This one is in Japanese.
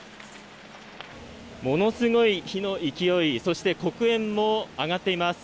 ものすごい火の勢い、そして黒煙も上がっています。